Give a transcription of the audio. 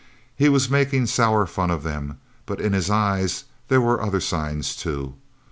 He was making sour fun of them, but in his eyes there were other signs, too.